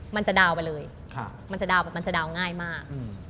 มันจะดาวนไปเลยมันจะดาวง่ายมาก